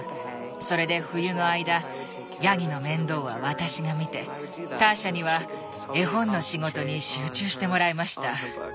それで冬の間ヤギの面倒は私が見てターシャには絵本の仕事に集中してもらいました。